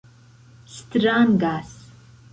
strangas